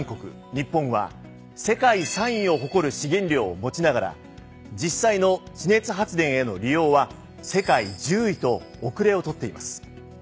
日本は世界３位を誇る資源量を持ちながら実際の地熱発電への利用は世界１０位と遅れをとっています。